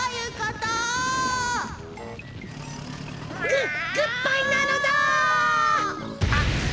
ググッバイなのだ！